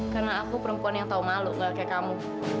karena aku perempuan yang tahu malu nggak kayak kamu